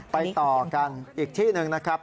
ต่อกันอีกที่หนึ่งนะครับ